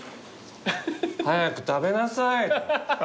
「早く食べなさい！